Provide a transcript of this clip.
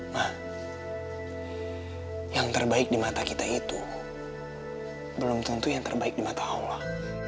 nah yang terbaik di mata kita itu belum tentu yang terbaik di mata allah